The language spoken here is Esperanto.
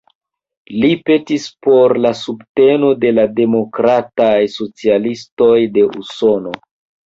Li petis por la subteno de la Demokrataj Socialistoj de Usono.